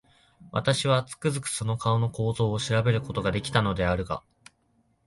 私は、つくづくその顔の構造を調べる事が出来たのであるが、